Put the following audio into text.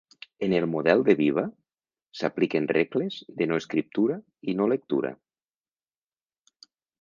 En el model de Biba, s'apliquen regles de no-escriptura i no-lectura.